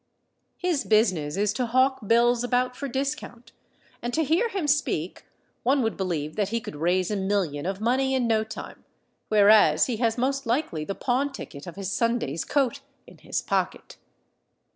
His business is to hawk bills about for discount; and, to hear him speak, one would believe that he could raise a million of money in no time—whereas he has most likely the pawn ticket of his Sunday's coat in his pocket.